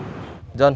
kamu sama kinanti